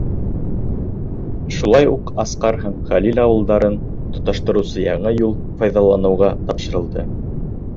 Шулай уҡ Асҡар һәм Хәлил ауылдарын тоташтырыусы яңы юл файҙаланыуға тапшырылды.